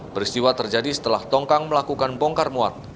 peristiwa terjadi setelah tongkang melakukan bongkar muat